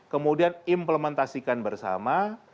kemudian implementasikan bersama